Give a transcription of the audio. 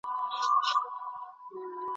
ایا ته د څيړني په جوړښت پوهېږې؟